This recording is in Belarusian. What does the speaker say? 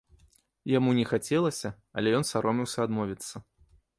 Яму не хацелася, але ён саромеўся адмовіцца.